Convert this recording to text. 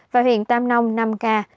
và huyện tam nông năm ca